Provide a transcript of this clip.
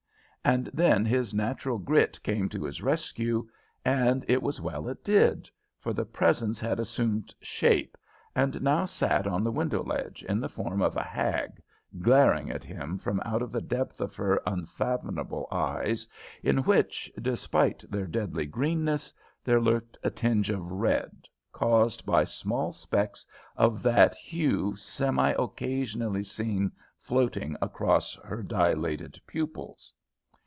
And then his natural grit came to his rescue, and it was well it did, for the presence had assumed shape, and now sat on the window ledge in the form of a hag, glaring at him from out of the depths of her unfathomable eyes, in which, despite their deadly greenness, there lurked a tinge of red caused by small specks of that hue semioccasionally seen floating across her dilated pupils.